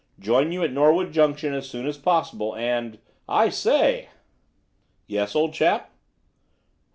Join you at Norwood Junction as soon as possible, and I say!" "Yes, old chap?"